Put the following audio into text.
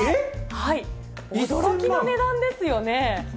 驚きの値段ですよね。